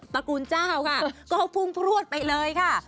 ระกูลเจ้าค่ะก็พุ่งพลวดไปเลยค่ะ